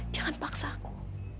jangan paksa aku